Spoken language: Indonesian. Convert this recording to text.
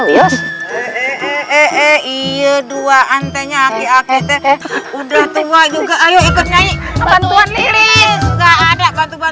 iya dua antenya udah tua juga